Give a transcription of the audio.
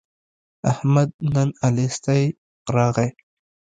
احمد نن الستی راغی.